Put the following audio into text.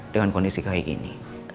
dengan kondisi kayak gini